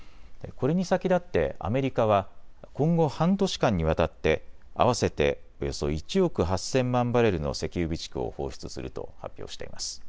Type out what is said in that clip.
これに先立ってアメリカは今後、半年間にわたって合わせておよそ１億８０００万バレルの石油備蓄を放出すると発表しています。